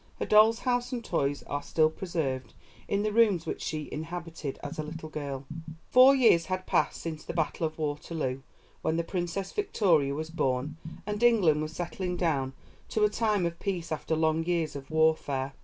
Her doll's house and toys are still preserved in the rooms which she inhabited as a little girl. [Illustration: KENSINGTON PALACE] Four years had passed since the battle of Waterloo when the Princess Victoria was born, and England was settling down to a time of peace after long years of warfare.